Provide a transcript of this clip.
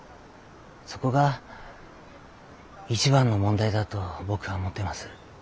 そこが一番の問題だと僕は思ってます。